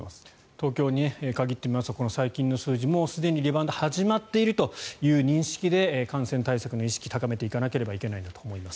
東京に限って見ますと最近の数字もうすでにリバウンドが始まっているという認識で感染対策の意識高めていかなければいけないと思います。